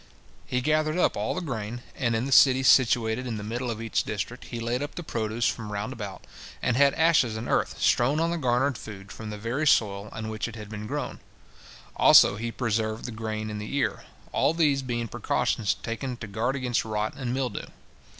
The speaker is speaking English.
He gathered up all the grain, and in the city situated in the middle of each district he laid up the produce from round about, and had ashes and earth strewn on the garnered food from the very soil on which it had been grown; also he preserved the grain in the ear; all these being precautions taken to guard against rot and mildew.